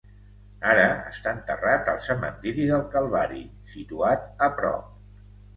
Ara està enterrat al cementiri del Calvari, situat a prop.